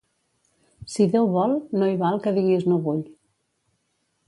Si Déu vol, no hi val que diguis no vull.